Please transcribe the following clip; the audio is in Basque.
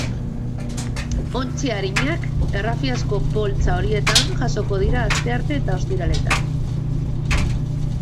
Ontzi arinak errafiazko poltsa horietan jasoko dira astearte eta ostiraletan.